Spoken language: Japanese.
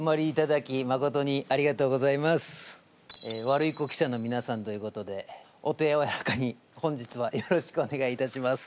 ワルイコ記者のみなさんということでお手やわらかに本日はよろしくお願いいたします。